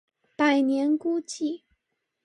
百年孤寂